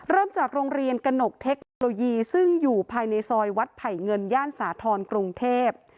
จากโรงเรียนกระหนกเทคโนโลยีซึ่งอยู่ภายในซอยวัดไผ่เงินย่านสาธรณ์กรุงเทพ